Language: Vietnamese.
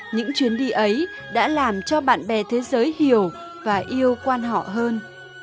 những chuyến đi ấy đã làm cho bạn bè thế giới hiểu và yêu quan họ hơn